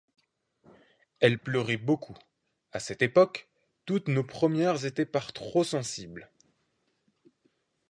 Elle pleurait beaucoup : à cette époque, toutes nos premières étaient par trop sensibles.